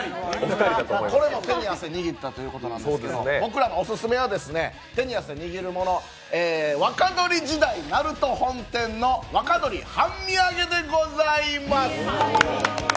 これも手に汗握ったということなんですが僕らの手に汗握るもの、若鶏時代なると本店の若鶏半身揚げでございます。